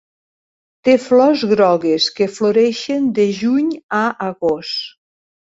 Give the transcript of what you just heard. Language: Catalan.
Té flors grogues que floreixen de Juny a Agost.